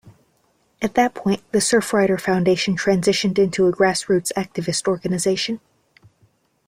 At that point the Surfrider Foundation transitioned into a grassroots activist organization.